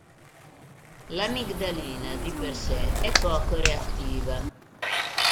L'amigdalina di per sé è poco reattiva.